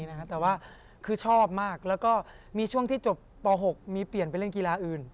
เหมือนกันเอา